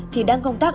thì đang công tác